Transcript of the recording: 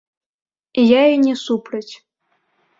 Я і не супраць.